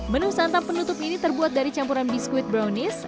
menu santap penutup ini terbuat dari campuran biskuit brownies